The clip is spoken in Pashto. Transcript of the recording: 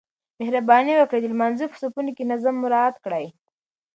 مهرباني وکړئ د لمانځه په صفونو کې نظم مراعات کړئ.